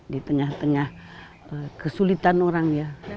di tengah tengah kesulitan orang ya